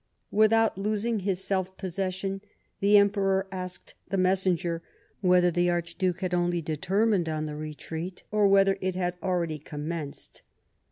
AVithout losing his self posses sion, the Emperor asked the messenger whether the Archduke had only determined on the retreat, or whether it had already commenced.